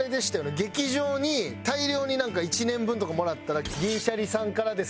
劇場に大量になんか１年分とかもらったら「銀シャリさんからです」